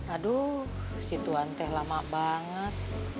aduh si tuan teh lama banget